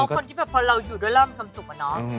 ก็ชอบเนอะคนที่แบบพอเราอยู่ด้วยเราก็คำสุขอ่ะน้อง